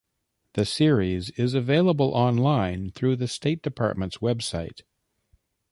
The series is available online through the State Department's website.